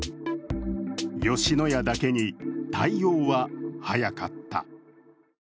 吉野家だけに対応は早かった。